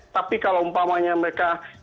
tapi kalau umpamanya mereka